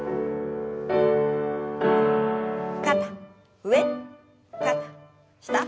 肩上肩下。